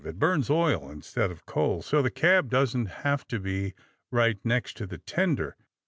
It burns oil instead of coal, so the cab doesn't have to be right next to the tender.